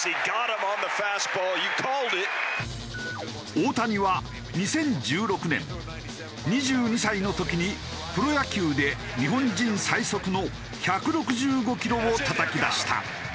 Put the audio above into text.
大谷は２０１６年２２歳の時にプロ野球で日本人最速の１６５キロをたたき出した。